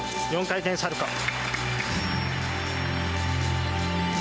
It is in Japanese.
４回転サルコウ。